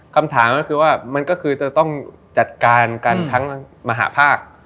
คำถามก็คือว่ามันก็คือจะต้องจัดการกันทั้งมหาภาค